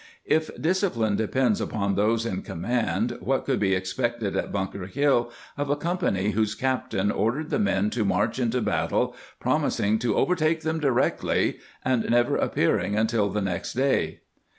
If discipline depends upon those in command, what could be expected at Bunker Hill of a company whose captain ordered the men to march into battle, promising to " overtake them directly," and never appearing until the next day'?